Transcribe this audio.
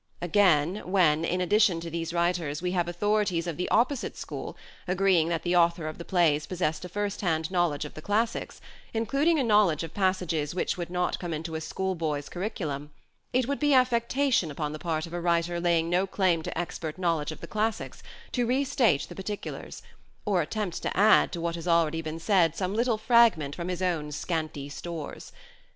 Again, when, in addition to these writers we have •• shake authorities of the opposite school agreeing that the author of the plays possessed a first hand knowledge of the classics, including a knowledge of passages which would not come into a schoolboy's curriculum, it would be affectation upon the part of a writer laying no claim to expert knowledge of the classics to restate the particulars, or attempt to add to what has already been said some little fragment from his own scanty stores.